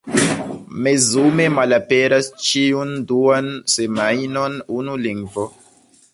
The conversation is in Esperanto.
Mezume malaperas ĉiun duan semajnon unu lingvo.